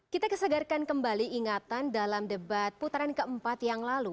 kita kesegarkan kembali ingatan dalam debat putaran keempat yang lalu